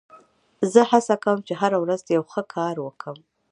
زه هڅه کوم، چي هره ورځ یو ښه کار وکم.